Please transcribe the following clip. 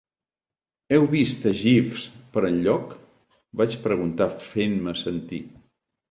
Heu vist a Jeeves per enlloc? Vaig preguntar fent-me sentir.